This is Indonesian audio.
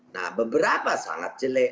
nah beberapa sangat jelek